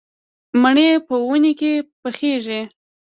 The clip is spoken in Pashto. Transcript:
مڼې په ونې کې پخېږي